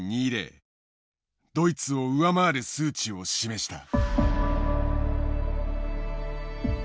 ドイツを上回る数値を示した。